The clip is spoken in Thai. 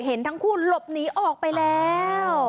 เห็นทั้งคู่หลบหนีออกไปแล้ว